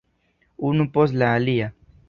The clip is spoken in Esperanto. Unu post la alia.